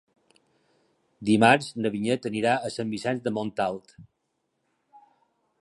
Dimarts na Vinyet anirà a Sant Vicenç de Montalt.